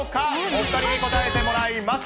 お２人に答えてもらいます。